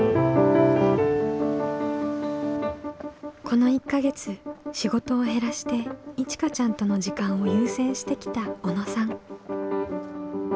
この１か月仕事を減らしていちかちゃんとの時間を優先してきた小野さん。